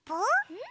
うん？